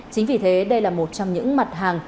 chính vì thế đây là một trong những mặt hàng